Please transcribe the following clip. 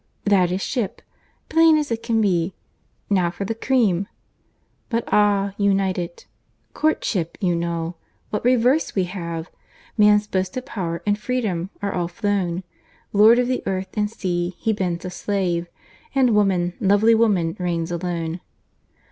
That is ship;—plain as it can be.—Now for the cream. But ah! united, (courtship, you know,) what reverse we have! Man's boasted power and freedom, all are flown. Lord of the earth and sea, he bends a slave, And woman, lovely woman, reigns alone.